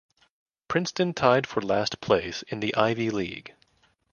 Princeton tied for last place in the Ivy League.